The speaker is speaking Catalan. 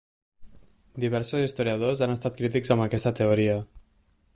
Diversos historiadors han estat crítics amb aquesta teoria.